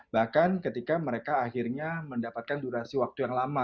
bahkan ketika mereka akhirnya mendapatkan durasi waktu yang lama